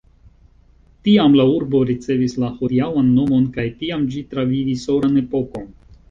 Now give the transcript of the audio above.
Tiam la urbo ricevis la hodiaŭan nomon kaj tiam ĝi travivis oran epokon.